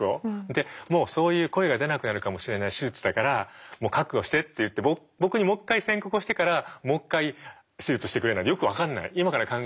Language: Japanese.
でもうそういう声が出なくなるかもしれない手術だから覚悟してって言って僕にもう一回宣告をしてからもう一回手術してくれなんてよく分かんない今から考えると。